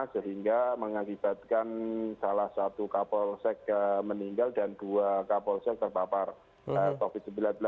sehingga mengakibatkan salah satu kapolsek meninggal dan dua kapolsek terpapar covid sembilan belas